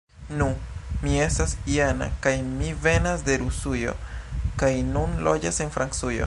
Nu, mi estas Jana kaj mi venas de Rusujo kaj nun loĝas en Francujo